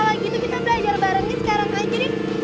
ya udah kalo gitu kita belajar barengin sekarang aja nih